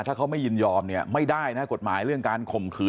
ถ้าเขาไม่ยินยอมเนี่ยไม่ได้นะกฎหมายเรื่องการข่มขืน